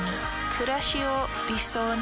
くらしを理想に。